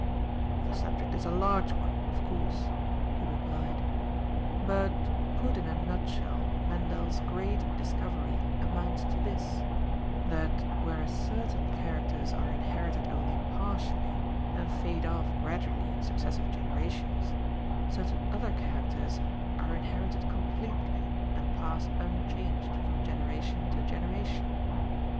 "The subject is a large one, of course," he replied; "but, put in a nutshell, Mendel's great discovery amounts to this; that, whereas certain characters are inherited only partially and fade off gradually in successive generations, certain other characters are inherited completely and pass unchanged from generation to generation.